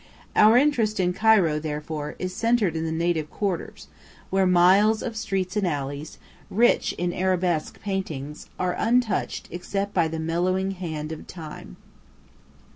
Our interest in Cairo, therefore, is centred in the native quarters, where miles of streets and alleys, rich in Arabesque buildings, are untouched except by the mellowing hand of Time.